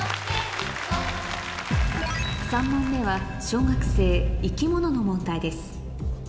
３問目は小学生の問題です